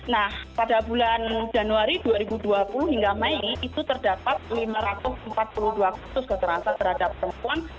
nah pada bulan januari dua ribu dua puluh hingga mei itu terdapat lima ratus empat puluh dua kasus kekerasan terhadap perempuan